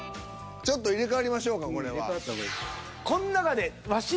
ちょっと入れ替わりましょうかこれは。